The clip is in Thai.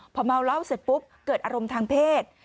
พอเมาเหล้าเสร็จปุ๊บเกิดอารมณ์ทางเพศ